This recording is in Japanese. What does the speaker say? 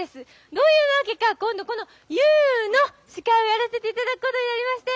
どういうわけか今度この「ＹＯＵ」の司会をやらせて頂くことになりまして。